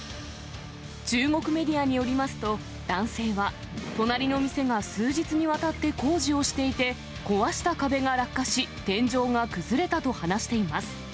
中国メディアによりますと、男性は、隣の店が数日にわたって工事をしていて、壊した壁が落下し、天井が崩れたと話しています。